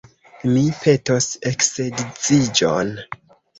Mi petos eksedziĝon.